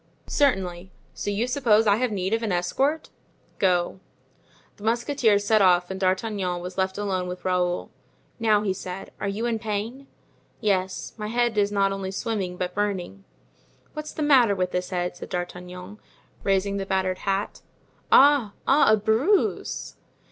"Certainly. So you suppose I have need of an escort? Go." The musketeers set off and D'Artagnan was left alone with Raoul. "Now," he said, "are you in pain?" "Yes; my head is not only swimming but burning." "What's the matter with this head?" said D'Artagnan, raising the battered hat. "Ah! ah! a bruise."